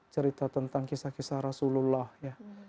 cerita tentang kisah kisah rasulullah ya